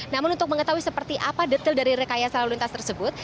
namun untuk mengetahui seperti apa detail dari rekayasa lalu lintas tersebut